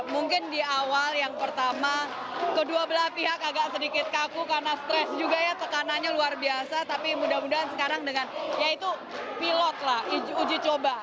mungkin di awal yang pertama kedua belah pihak agak sedikit kaku karena stres juga ya tekanannya luar biasa tapi mudah mudahan sekarang dengan ya itu pilot lah uji coba